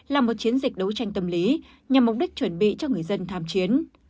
là một chiến dịch đấu tranh tâm lý nhằm mục đích chuẩn bị cho người dân tham chiến